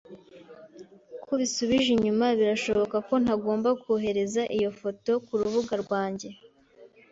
Kubisubije inyuma, birashoboka ko ntagomba kohereza iyo foto kurubuga rwanjye.